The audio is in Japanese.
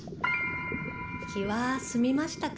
気は済みましたか？